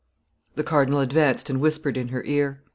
The cardinal advanced and whispered in her ear."